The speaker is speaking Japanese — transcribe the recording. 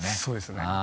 そうですね。